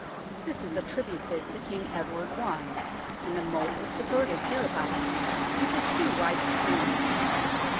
This is attributed to King Edward I, and the moat was diverted hereabouts into two wide streams.